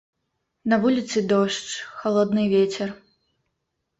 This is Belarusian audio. На вуліцы дождж, халодны вецер.